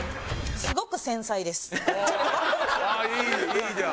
ああいいじゃん。